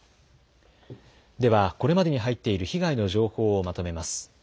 ではこれまでに入っている被害の情報をまとめます。